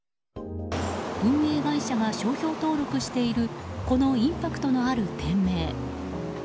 運営会社が商標登録しているこのインパクトある店名。